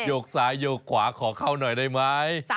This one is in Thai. กซ้ายโยกขวาขอเข้าหน่อยได้ไหม